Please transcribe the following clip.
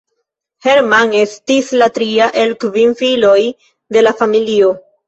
Hermann estis la tria el kvin filoj de la familio.